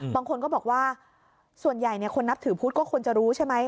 บางคนก็บอกว่าส่วนใหญ่คนนับถือพุทธก็ควรจะรู้ใช่ไหม